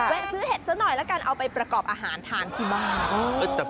ซื้อเห็ดซะหน่อยละกันเอาไปประกอบอาหารทานที่บ้าน